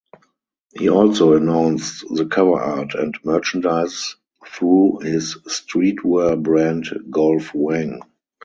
He also announced the cover art and merchandise through his streetwear brand Golf Wang.